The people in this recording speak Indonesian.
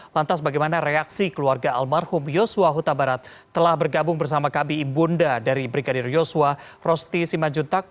lantas bagaimana reaksi keluarga almarhum yosua huta barat telah bergabung bersama kbi bunda dari brigadir yosua rosti simanjuntak